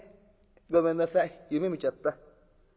ごめんなさい夢みちゃった。